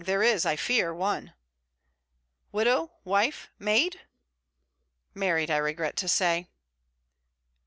There is, I fear, one.' 'Widow? wife? maid?' 'Married, I regret to say.'